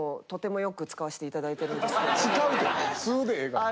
使うて吸うでええがな。